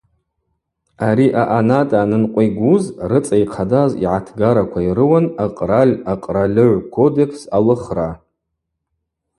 Ари аъанатӏа анынкъвигуз рыцӏа йхъадаз йгӏатгараква йрыуан акъраль Акъральыгӏв кодекс алыхра.